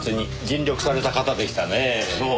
そう。